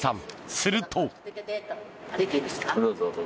すると。